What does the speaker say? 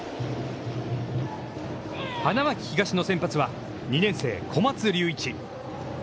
花巻東の先発は、２年生、小松龍一。